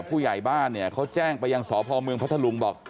ผู้ใหญ่บ้านเขาแจ้งไปยังสอบภอมเมืองพัทธาลุงบอก